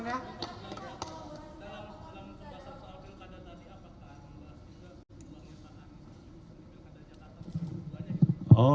pilkada jatah atau berubahnya gitu